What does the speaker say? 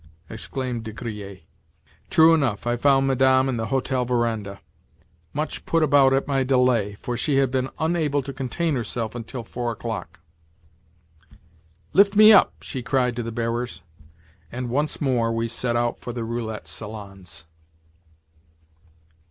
exclaimed De Griers. True enough, I found Madame in the hotel verandah—much put about at my delay, for she had been unable to contain herself until four o'clock. "Lift me up," she cried to the bearers, and once more we set out for the roulette salons.